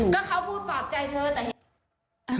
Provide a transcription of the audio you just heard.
ก็เขาพูดปรอบใจเธอแต่เห็นไหม